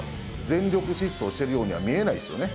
全力疾走してるようには見えないですよね。